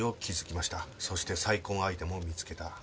そして再婚相手も見つけた。